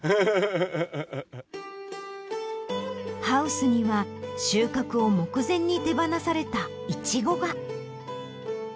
ハウスには収穫を目前に手放されたイチゴが。